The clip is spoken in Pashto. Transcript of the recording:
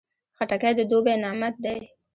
خټکی د دوبی نعمت دی.